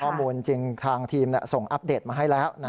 จริงทางทีมส่งอัปเดตมาให้แล้ว